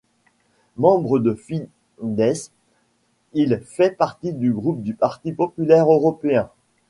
Membre du Fidesz, il fait partie du groupe du Parti populaire européen.